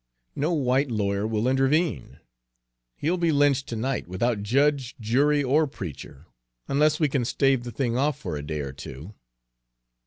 No white lawyer will intervene. He'll be lynched to night, without judge, jury, or preacher, unless we can stave the thing off for a day or two."